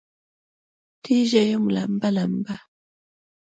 تږې یم لمبه، لمبه